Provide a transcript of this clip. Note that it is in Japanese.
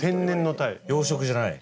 養殖じゃない。